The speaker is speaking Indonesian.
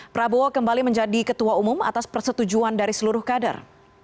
prabowo kembali menjadi ketua umum atas persetujuan dari seluruh kader